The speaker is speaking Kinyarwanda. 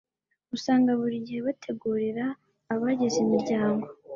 usanga buri gihe bategurira abagize imiryango